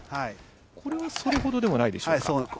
これはそれほどでもないでしょうか。